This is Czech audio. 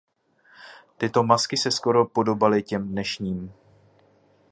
Tyto masky se skoro podobaly těm dnešním.